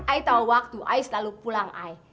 saya tahu waktu saya selalu pulang saya